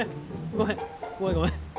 ごめんごめん。